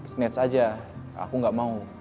snatch aja aku gak mau